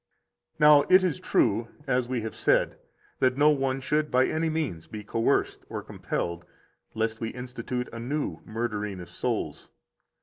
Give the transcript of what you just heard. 42 Now, it is true, as we have said, that no one should by any means be coerced or compelled, lest we institute a new murdering of souls.